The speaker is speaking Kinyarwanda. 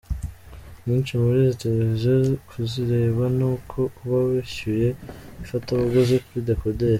Inyinshi muri izi televiziyo, kuzireba ni uko uba wishyuye ifatabuguzi kuri dekoderi.